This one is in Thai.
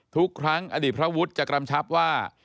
ทุกครั้งอดีตพระวุฒิจะกำชับว่า